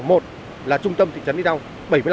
một là trung tâm thị trấn đi đâu